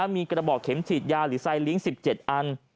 มีกระบอกเข็มฉีดยาหรือไซลิงค์๑๗อัน